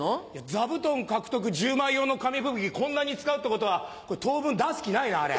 座布団獲得１０枚用の紙吹雪こんなに使うってことはこれ当分出す気ないなあれ。